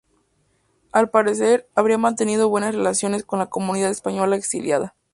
Al parecer, habría mantenido buenas relaciones con la comunidad española exiliada.